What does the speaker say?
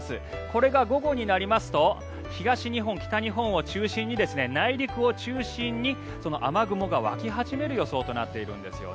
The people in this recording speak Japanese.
これが午後になりますと東日本、北日本を中心に内陸を中心に雨雲が湧き始める予想となっているんです。